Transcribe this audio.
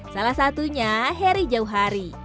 salah satunya heri jauhari